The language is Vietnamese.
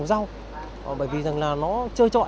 bởi vì rằng là nó chơi trọi nó chơi trọi nó chơi trọi nó chơi trọi